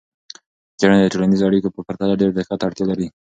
څیړنې د ټولنیزو اړیکو په پرتله ډیر دقت ته اړتیا لري.